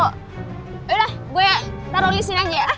yaudah gue taro disini aja ya